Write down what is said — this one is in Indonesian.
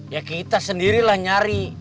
ya kita sendirilah nyari